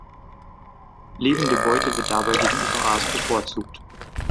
Lebende Beute wird dabei gegenüber Aas bevorzugt.